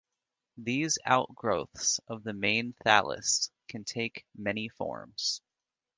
These outgrowths of the main thallus can take many forms.